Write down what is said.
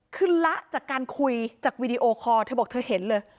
คือละจากการคุยจากวีดีโอคอร์เธอบอกเธอเห็นเลย